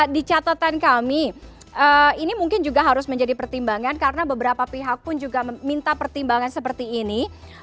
di catatan kami ini mungkin juga harus menjadi pertimbangan karena beberapa pihak pun juga meminta pertimbangan seperti ini